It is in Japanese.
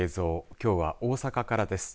きょうは大阪からです。